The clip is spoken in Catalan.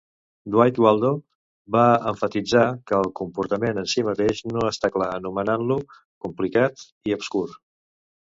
Dwight Waldo va emfatitzar que el comportament en si mateix no està clar, anomenant-lo "complicat" i "obscur".